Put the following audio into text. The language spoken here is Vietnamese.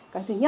cái thứ nhất